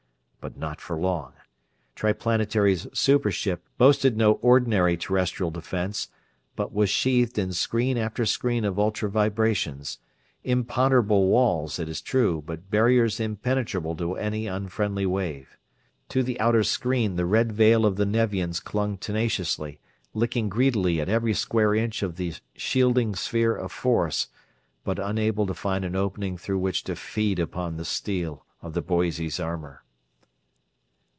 But not for long. Triplanetary's super ship boasted no ordinary Terrestrial defense, but was sheathed in screen after screen of ultra vibrations: imponderable walls, it is true, but barriers impenetrable to any unfriendly wave. To the outer screen the red veil of the Nevians clung tenaciously, licking greedily at every square inch of the shielding sphere of force, but unable to find an opening through which to feed upon the steel of the Boise's armor.